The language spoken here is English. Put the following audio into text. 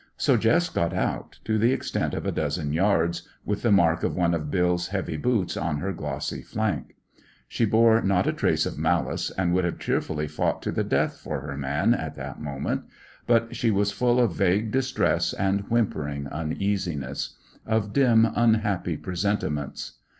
So Jess got out, to the extent of a dozen yards, with the mark of one of Bill's heavy boots on her glossy flank. She bore not a trace of malice, and would have cheerfully fought to the death for her man at that moment; but she was full of vague distress and whimpering uneasiness; of dim, unhappy presentiments.